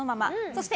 そして